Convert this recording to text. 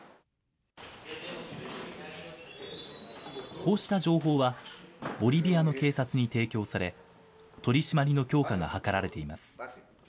こうした情報は、ボリビアの警察に提供され、取り締まりの強化が図られています。